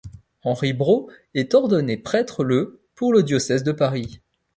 Henri Brault est ordonné prêtre le pour le diocèse de Paris.